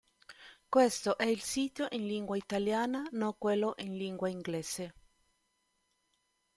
Questo è il sito in lingua italiana non quello in lingua inglese.